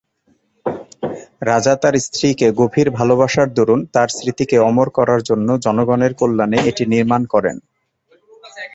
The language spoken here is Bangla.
রাজা তার স্ত্রীকে গভীর ভালবাসার দরুন তার স্মৃতিকে অমর করার জন্য জনগণের কল্যাণে এটি নির্মাণ করেন।